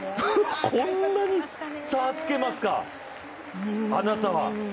こんなに差つけますか、あなたは。